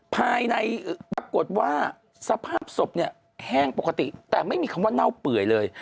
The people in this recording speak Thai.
ภายในปรากฏว่าสภาพศพเนี่ยแห้งปกติแต่ไม่มีคำว่าเน่าเปื่อยเลย